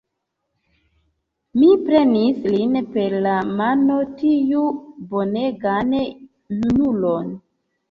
Mi prenis lin per la mano, tiun bonegan junulon.